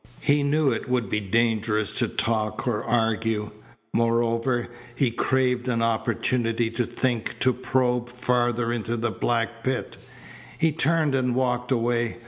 He knew it would be dangerous to talk or argue. Moreover, he craved an opportunity to think, to probe farther into the black pit. He turned and walked away.